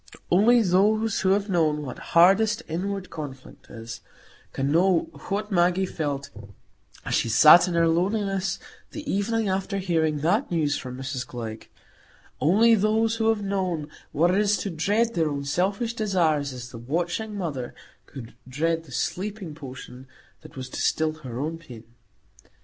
Only those who have known what hardest inward conflict is, can know what Maggie felt as she sat in her loneliness the evening after hearing that news from Mrs Glegg,—only those who have known what it is to dread their own selfish desires as the watching mother would dread the sleeping potion that was to still her own pain.